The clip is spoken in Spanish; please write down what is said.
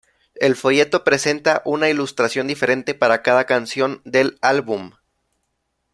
El folleto presenta una ilustración diferente para cada canción del álbum.